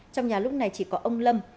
trong nhà lúc này chỉ có ông lâm